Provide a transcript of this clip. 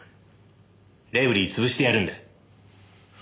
レブリー潰してやるんだ。